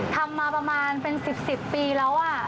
ทำมาประมาณเป็น๑๐ปีแล้ว